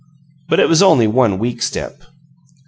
But it was only one weak step.